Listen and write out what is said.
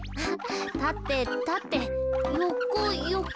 たてたてよこよこ。